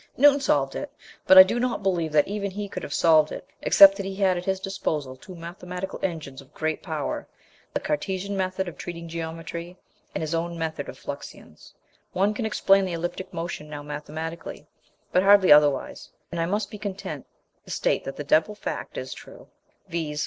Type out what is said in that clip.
Newton solved it, but I do not believe that even he could have solved it, except that he had at his disposal two mathematical engines of great power the Cartesian method of treating geometry, and his own method of Fluxions. One can explain the elliptic motion now mathematically, but hardly otherwise; and I must be content to state that the double fact is true viz.